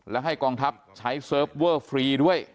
และให้กองทัพใช้เซิร์ฟเวอร์ฟรีด้วย